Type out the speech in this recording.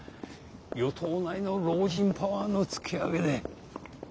与党内の老人パワーの突き上げで。